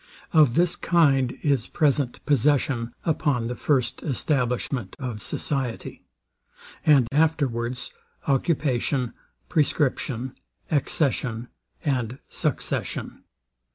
Of this kind is present possession upon the first establishment of society; and afterwards occupation, prescription, accession, and succession.